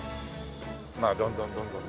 まあどんどんどんどんね。